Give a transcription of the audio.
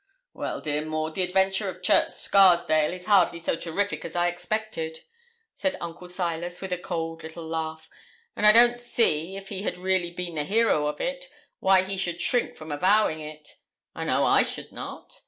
'Well, dear Maud, the adventure of Church Scarsdale is hardly so terrific as I expected,' said Uncle Silas with a cold little laugh; 'and I don't see, if he had really been the hero of it, why he should shrink from avowing it. I know I should not.